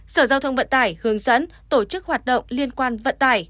sở giao thông vận tải hướng dẫn tổ chức hoạt động liên quan vận tải